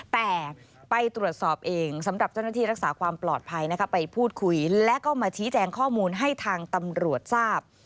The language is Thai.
แต่ไปตรวจสอบเองสำหรับเจ้าหน้าที่รักษาความปลอดภัยนะคะไปพูดคุยและก็มาชี้แจงข้อมูลให้ทางตำรวจทราบ